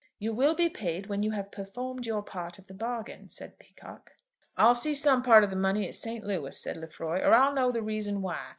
"You will be paid when you have performed your part of the bargain," said Peacocke. "I'll see some part of the money at St. Louis," said Lefroy, "or I'll know the reason why.